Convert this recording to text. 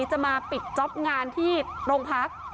จะมาปิดจ๊อปงานที่โรงพัก